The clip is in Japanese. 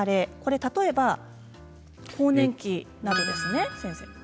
例えば更年期などですね、先生。